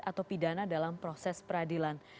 atau pidana dalam proses peradilan